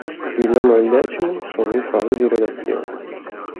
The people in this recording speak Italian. Il nono e il decimo sono in fase di redazione.